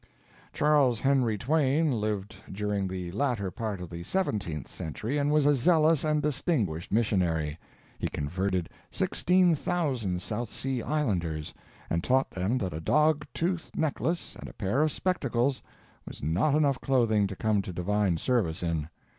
Charles Henry Twain lived during the latter part of the seventeenth century, and was a zealous and distinguished missionary. He converted sixteen thousand South Sea islanders, and taught them that a dog tooth necklace and a pair of spectacles was not enough clothing to come to divine service in.